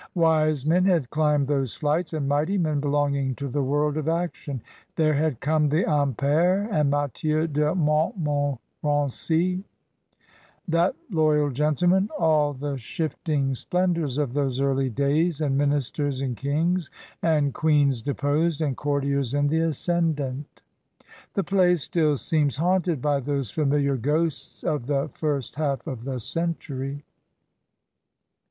Wise men had climbed those flights, and mighty men belonging to the world of action; there had come the Amperes and Mathieu de Montmo rency— that loyal gentleman — all the shifting splen dours of those early days, and ministers, and kings, and queens deposed, and courtiers in the ascendant: the place still seems haunted by those familiar ghosts of the first half of the century.